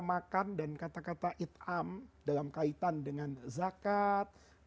makan dan kata kata it'am dalam kaitan dengan zakat